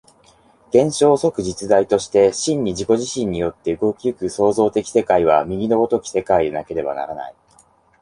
現象即実在として真に自己自身によって動き行く創造的世界は、右の如き世界でなければならない。